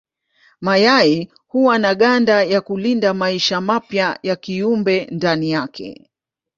Mayai huwa na ganda ya kulinda maisha mapya ya kiumbe ndani yake.